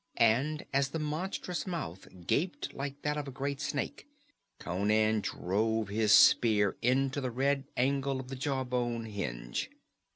And as the monstrous mouth gaped like that of a great snake, Conan drove his spear into the red angle of the jaw bone hinge.